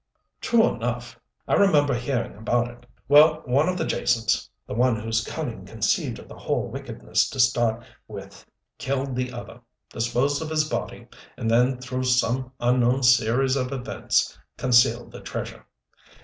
"True enough. I remember hearing about it. Well, one of the Jasons the one whose cunning conceived of the whole wickedness to start XXXX with killed the other, disposed of his body, and then through some unknown series of events, concealed the treasure.